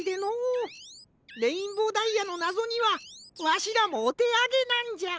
レインボーダイヤのなぞにはわしらもおてあげなんじゃ。